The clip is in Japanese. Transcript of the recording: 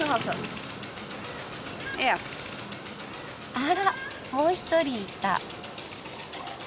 あらもう一人いた。